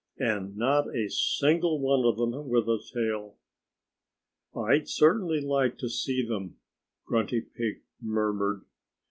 And not a single one of them with a tail!" "I'd certainly like to see them," Grunty Pig murmured.